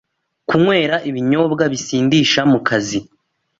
Kunywera ibinyobwa bisindisha mu kazi